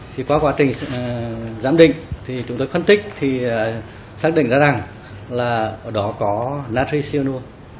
khi qua quá trình giám định chúng tôi phân tích thì xác định ra rằng là ở đó có nachi xianur